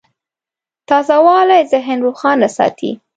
تازهوالی ذهن روښانه ساتي.